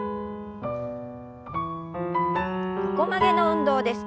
横曲げの運動です。